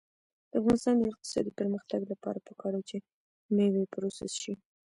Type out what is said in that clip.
د افغانستان د اقتصادي پرمختګ لپاره پکار ده چې مېوې پروسس شي.